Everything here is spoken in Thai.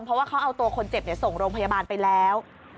เพราะว่าเขาเอาตัวคนเจ็บส่งโรงพยาบาลไปแล้ว